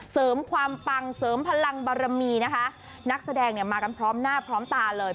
เสริมความปังเสริมพลังบารมีนะคะนักแสดงเนี่ยมากันพร้อมหน้าพร้อมตาเลย